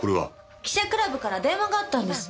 記者クラブから電話があったんです。